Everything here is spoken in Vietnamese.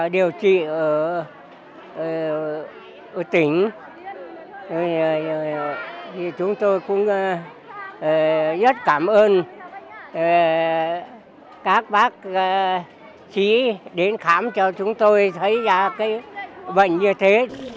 điều trị ở tỉnh chúng tôi cũng rất cảm ơn các bác sĩ đến khám cho chúng tôi thấy ra cái bệnh như thế